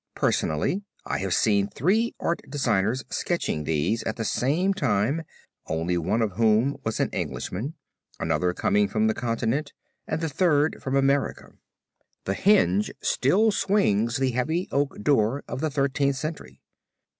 Personally I have seen three art designers sketching these at the same time only one of whom was an Englishman, another coming from the continent and the third from America. The hinge still swings the heavy oak door of the Thirteenth Century.